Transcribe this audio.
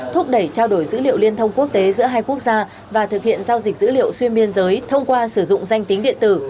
thúc đẩy trao đổi dữ liệu liên thông quốc tế giữa hai quốc gia và thực hiện giao dịch dữ liệu xuyên biên giới thông qua sử dụng danh tính điện tử